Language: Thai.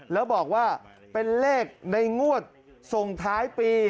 แล้วบอกว่าเป็นเลขในงวดส่งท้ายปี